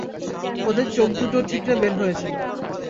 ওদের চোখদুটো ঠিকরে বের হয়েছিলো।